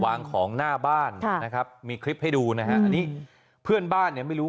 วางของหน้าบ้านนะครับมีคลิปให้ดูนะฮะอันนี้เพื่อนบ้านเนี่ยไม่รู้